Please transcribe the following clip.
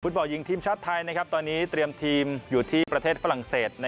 บอลหญิงทีมชาติไทยตอนนี้เตรียมทีมอยู่ที่ประเทศฝรั่งเศส